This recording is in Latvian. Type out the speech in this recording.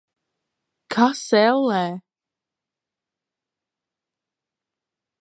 Kas, ellē?